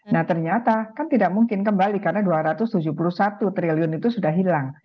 nah ternyata kan tidak mungkin kembali karena dua ratus tujuh puluh satu triliun itu sudah hilang